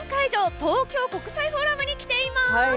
東京国際フォーラムに来ています。